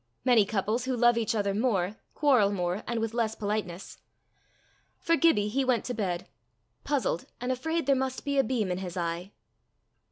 Many couples who love each other more, quarrel more, and with less politeness. For Gibbie, he went to bed puzzled, and afraid there must be a beam in his eye.